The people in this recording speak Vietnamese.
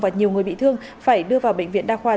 và nhiều người bị thương phải đưa vào bệnh viện đa khoa